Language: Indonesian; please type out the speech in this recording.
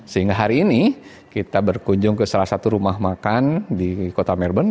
sehingga hari ini kita berkunjung ke salah satu rumah makan di kota merbon